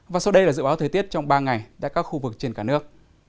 và sau đây là dự áo thời tiết trong ba ngày đã các khu vực trên cả nước